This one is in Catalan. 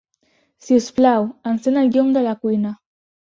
Si us plau, encén el llum de la cuina.